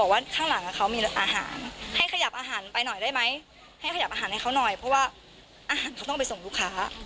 ว่าอาหารเขาต้องไปส่งลูกค้า